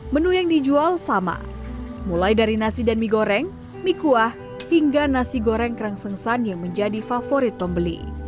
menu yang dijual sama mulai dari nasi dan mie goreng mie kuah hingga nasi goreng kerangsengsan yang menjadi favorit pembeli